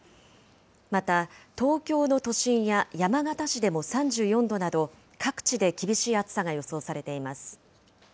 また、東京の都心や山形市でも３４度など、各地で厳しい暑さが予想されています。